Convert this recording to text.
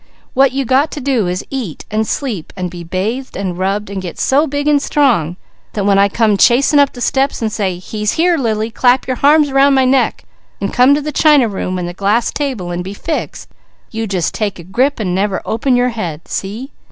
"What you got to do is to eat, and sleep, and be bathed, and rubbed, and get so big and strong that when I come chasing up the steps and say, 'He's here, Lily, clap your arms around my neck and come to the china room and the glass table and be fixed,' you just take a grip and never open your head. See!